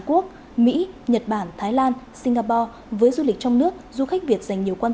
quốc mỹ nhật bản thái lan singapore với du lịch trong nước du khách việt dành nhiều quan